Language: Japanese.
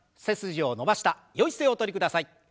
背筋を伸ばしたよい姿勢おとりください。